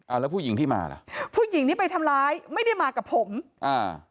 แล้วผู้หญิงที่มาล่ะผู้หญิงที่ไปทำร้ายไม่ได้มากับผมอ่า